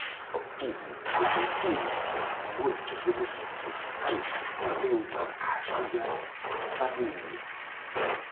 Obtivo do seu tío moitos beneficios, que estendeu á súa familia.